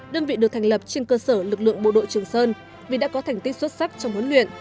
đơn vị được thành lập trên cơ sở lực lượng bộ đội trường sơn vì đã có thành tích xuất sắc trong huấn luyện